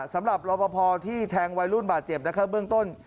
สำหรับรอปภที่แทงวัยรุ่นบาดเจ็บนะครับเบื้องต้น